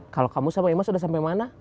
kalau kamu sama imas udah sampai mana